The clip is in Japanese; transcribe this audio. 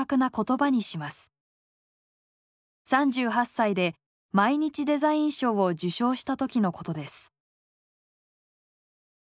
３８歳で「毎日デザイン賞」を受賞したときのことです。